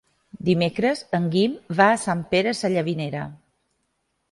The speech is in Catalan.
Dimecres en Guim va a Sant Pere Sallavinera.